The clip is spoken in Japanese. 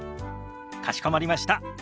かしこまりました。